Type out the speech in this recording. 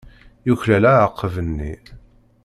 Yuklal aɛaqeb-nni.